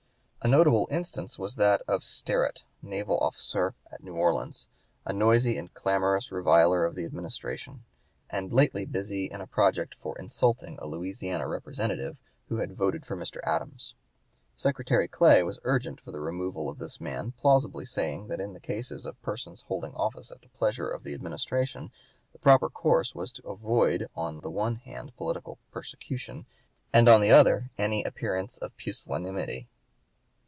A notable instance was that of Sterret, naval officer at New Orleans, "a noisy and clamorous reviler of the Administration," and lately busy in a project for insulting a Louisiana Representative who had voted for Mr. Adams. Secretary Clay was urgent for the removal of this man, plausibly saying that in the cases of persons holding office at the pleasure of the Administration the proper course was to avoid on the one hand political persecution, and on the other any appearance of pusillanimity.